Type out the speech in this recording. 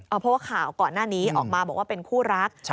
เพราะว่าข่าวก่อนหน้านี้ออกมาบอกว่าเป็นคู่รัก